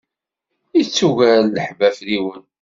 Yettugar lḥebb afriwen.